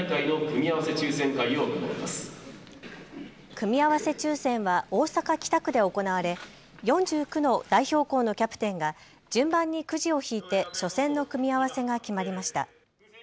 組み合わせ抽せんは大阪北区で行われ４９の代表校のキャプテンが順番にくじを引いて初戦の組み合わせが決まりました。